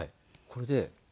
これで。